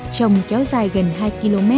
trồng kéo dài gần hai km